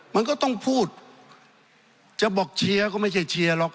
มันก็ต้องพูดจะบอกเชียร์ก็ไม่ใช่เชียร์หรอก